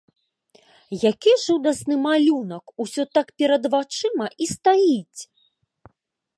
Які жудасны малюнак, усё так перад вачыма і стаіць!